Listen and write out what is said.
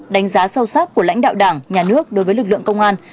đánh giá sâu sắc của lãnh đạo đảng nhà nước đối với lực lượng công an